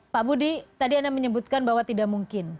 pak budi tadi anda menyebutkan bahwa tidak mungkin